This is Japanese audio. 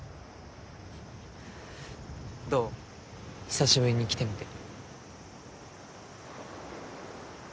久しぶりに来てみて。